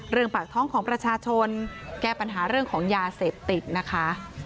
ปากท้องของประชาชนแก้ปัญหาเรื่องของยาเสพติดนะคะ